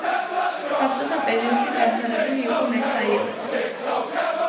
საბჭოთა პერიოდში განვითარებული იყო მეჩაიეობა.